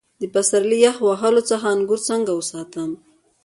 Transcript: د پسرلي یخ وهلو څخه انګور څنګه وساتم؟